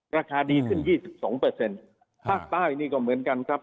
ราคาดีขึ้น๒๒ภาคใต้นี่ก็เหมือนกันครับ